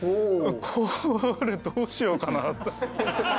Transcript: これどうしようかな。